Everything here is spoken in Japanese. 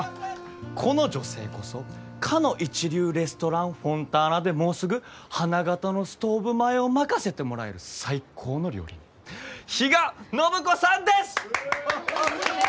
この女性こそかの一流レストランフォンターナでもうすぐ花形のストーブ前を任せてもらえる最高の料理人比嘉暢子さんです！